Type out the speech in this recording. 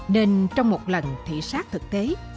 nên trong một lần thị sát thực tế